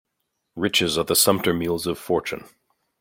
Riches are the sumpter mules of fortune.